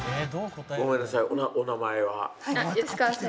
ごめんなさいお名前は？